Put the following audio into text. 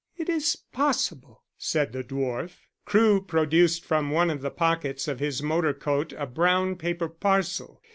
"It is possible," said the dwarf. Crewe produced from one of the pockets of his motor coat a brown paper parcel.